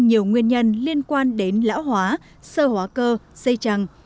có nhiều nguyên nhân liên quan đến lão hóa sơ hóa cơ dây trăng